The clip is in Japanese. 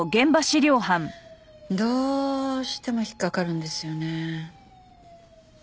どうしても引っかかるんですよね。